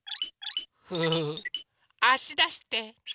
フフフあしだして。